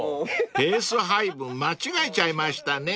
［ペース配分間違えちゃいましたね］